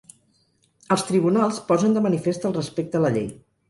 Els tribunals posen de manifest el respecte a la llei.